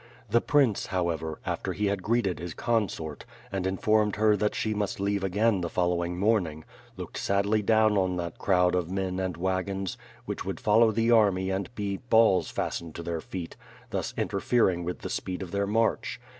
The prince, however, after he had greeted his consort, and informed her that she must leave again the following morning, looked sadly down on that crowd of men and wagons, which would follow the army and be balls fastened to their feet, thus interfering with the speed of their march.